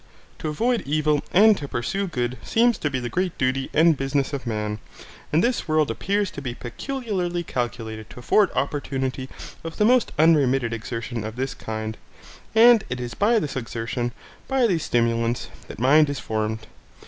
To avoid evil and to pursue good seem to be the great duty and business of man, and this world appears to be peculiarly calculated to afford opportunity of the most unremitted exertion of this kind, and it is by this exertion, by these stimulants, that mind is formed.